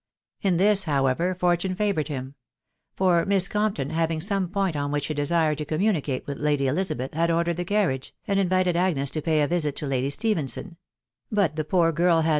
In this, however, fortune favoured him ; for Miss nMnjflQQ having some point on which she desired to communicate win Lady Elizabeth, had ordered the carriage, and invited Agpes to pay a visit to Lady Stephenson ; but the poor girl had.